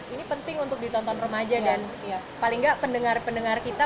ini penting untuk ditonton remaja dan paling nggak pendengar pendengar kita